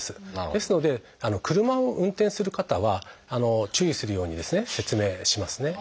ですので車を運転する方は注意するように説明しますね。